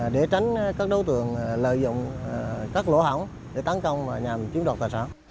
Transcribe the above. để tránh các đối tượng lợi dụng các lỗ hỏng để tấn công và nhằm chiếm đoạt tài sản